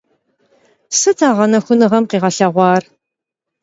Sıt a ğeunexunığem khiğelheğuar?